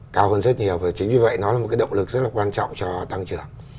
cao hơn rất nhiều và chính vì vậy nó là một cái động lực rất là quan trọng cho tăng trưởng